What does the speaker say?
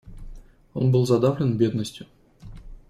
Он был задавлен бедностью.